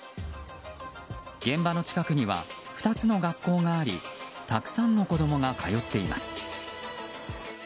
現場の近くには２つの学校がありたくさんの子供が通っています。